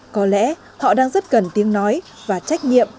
có lẽ họ đang rất cần tiếng nói và trách nhiệm